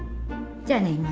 じゃあね